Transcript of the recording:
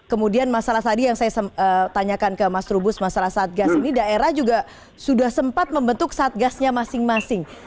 kemudian masalah tadi yang saya tanyakan ke mas rubus masalah saat gas ini daerah juga sudah sempat membentuk saat gasnya masing masing